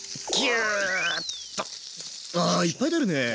あいっぱい出るね。